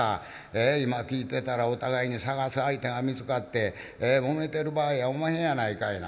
今聞いてたらお互いに捜す相手が見つかってもめてる場合やおまへんやないかいな。